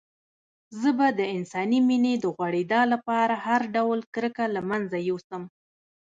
زه به د انساني مينې د غوړېدا لپاره هر ډول کرکه له منځه يوسم.